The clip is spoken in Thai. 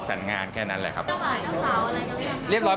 คราวที่แล้วก็หาเลิกเอง